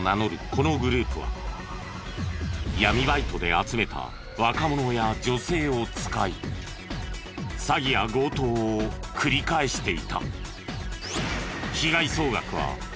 このグループは闇バイトで集めた若者や女性を使い詐欺や強盗を繰り返していた。